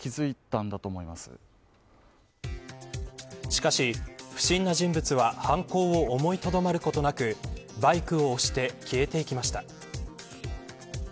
しかし不審な人物は犯行を思いとどまることなくバイクを押して消えていきました。